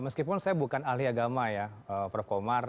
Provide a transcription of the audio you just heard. meskipun saya bukan ahli agama ya prof komar